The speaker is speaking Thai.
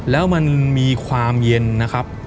แล้วมันมีความเย็นนะครับ